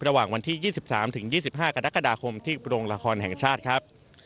ระหว่างวันที่๒๓๒๕กรกฎาคมที่โรงละครแห่งชาติครับ